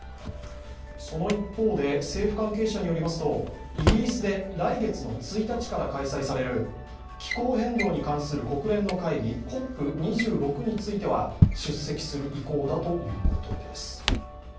その一方で、政府関係者によりますとイギリスで来月の１日から開催される気候変動に関する国連の会議、ＣＯＰ２６については出席する意向だということです。